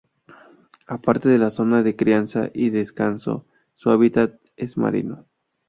Aparte de la zona de crianza y descanso, su hábitat es marino.